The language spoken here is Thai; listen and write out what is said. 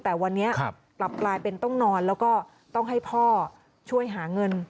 แต่วันนี้กลับกลายเป็นต้องนอนแล้วก็ต้องให้พ่อช่วยหาเงิน